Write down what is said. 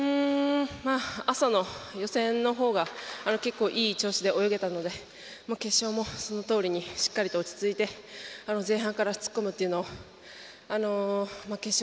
朝の予選のほうが結構いい調子で泳げたので決勝もそのとおりに、しっかりと落ち着いて前半から突っ込むというのを決勝